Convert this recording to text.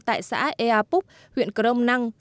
tại xã ea púc huyện crong năng